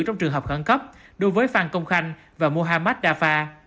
trong trường hợp khẳng cấp đối với phan công khanh và muhammad dafa